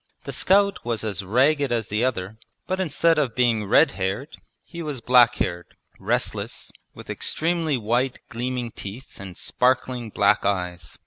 The scout was as ragged as the other, but instead of being red haired he was black haired, restless, with extremely white gleaming teeth and sparkling black eyes.